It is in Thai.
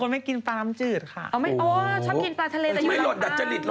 บ้างคนเด็กสุขุมวิต